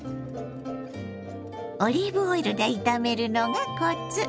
オリーブオイルで炒めるのがコツ。